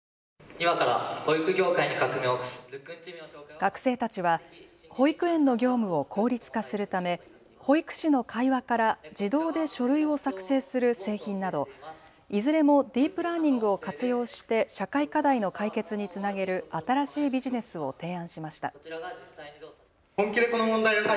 学生たちは保育園の業務を効率化するため保育士の会話から自動で書類を作成する製品などいずれもディープラーニングを活用して社会課題の解決につなげる新しいビジネスを提案しました。